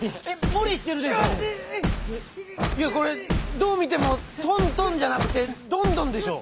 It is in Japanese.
これどう見ても「とんとん」じゃなくて「どんどん」でしょ。